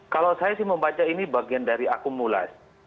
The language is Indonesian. kalau saya sih membaca ini bagian dari akumulasi